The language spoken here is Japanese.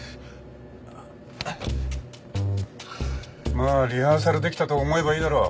まあリハーサルできたと思えばいいだろ。